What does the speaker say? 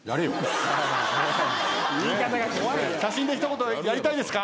写真で一言やりたいですか？